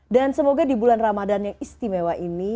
dan semoga di bulan ramadan yang istimewa ini